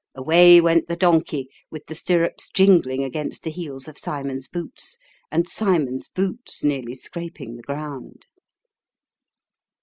Away went the donkey, with the stirrups jingling against the heels of Cymon's boots, and Cymon's boots nearly scraping the ground.